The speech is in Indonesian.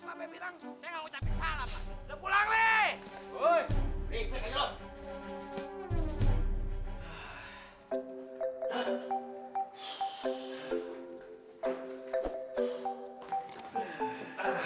mbak pe bilang saya gak ucapin salam lah